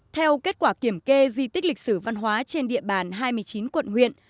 theo kết quả kiểm kê di tích lịch sử văn hóa trên địa bàn hai mươi chín quận huyện